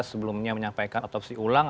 sebelumnya menyampaikan otopsi ulang